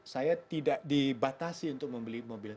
saya tidak dibatasi untuk membeli mobil